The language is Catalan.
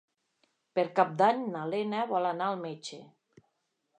Per Cap d'Any na Lena vol anar al metge.